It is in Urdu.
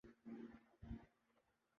ایسی ہمت ہر ایک میں نہیں ہو سکتی۔